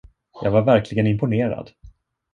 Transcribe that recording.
Jag var verkligen imponerad.